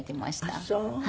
あっそう。